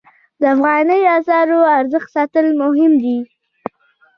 د افغانۍ اسعارو ارزښت ساتل مهم دي